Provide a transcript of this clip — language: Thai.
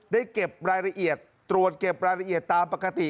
เก็บรายละเอียดตรวจเก็บรายละเอียดตามปกติ